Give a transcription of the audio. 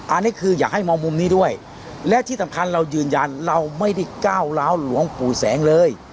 อันนี้คืออยากให้มองมุมนี้ด้วยและที่สำคัญเรายืนยันเราไม่ได้ก้าวร้าวหลวงปู่แสงเลย